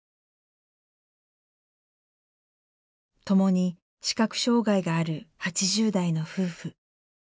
ともに視覚障害がある８０代の夫婦。